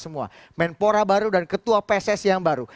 menpora baru dan ketua pssi yang baru